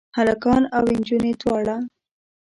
هلکان او انجونې دواړه؟